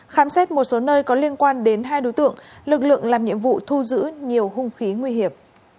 khám xét một số nơi có liên quan đến hai đối tượng lực lượng làm nhiệm vụ thu giữ nhiều hung khí nguy hiểm